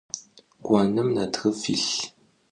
Konım natrıf yilh.